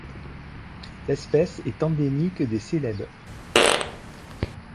L’espèce est endémique des Célèbes.